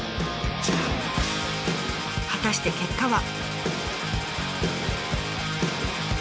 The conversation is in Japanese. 果たして結果は。